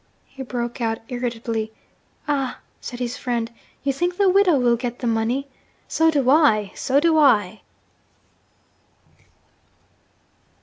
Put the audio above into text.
he broke out irritably. 'Ah!' said his friend, 'you think the widow will get the money? So do I! so do I!'